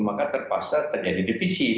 maka terpaksa terjadi divisi